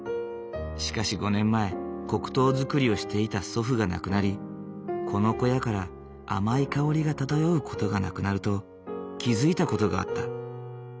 しかし５年前黒糖作りをしていた祖父が亡くなりこの小屋から甘い香りが漂う事がなくなると気付いた事があった。